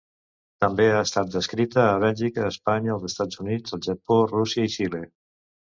També ha estat descrita a Bèlgica, Espanya, els Estats Units, el Japó, Rússia i Xile.